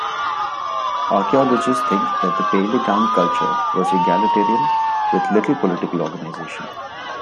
Archaeologists think that the Peiligang culture was egalitarian, with little political organization.